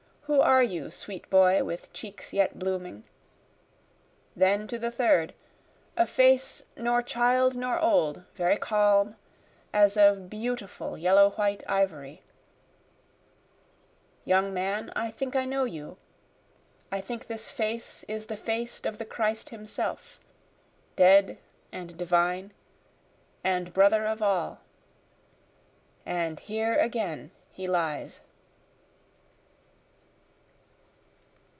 Who are you sweet boy with cheeks yet blooming? Then to the third a face nor child nor old, very calm, as of beautiful yellow white ivory; Young man I think I know you I think this face is the face of the Christ himself, Dead and divine and brother of all, and here again he lies.